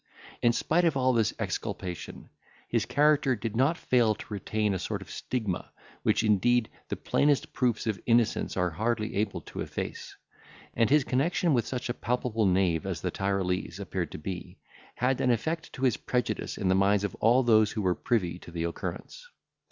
In spite of all this exculpation, his character did not fail to retain a sort of stigma, which indeed the plainest proofs of innocence are hardly able to efface; and his connexion with such a palpable knave as the Tyrolese appeared to be, had an effect to his prejudice in the minds of all those who were privy to the occurrence.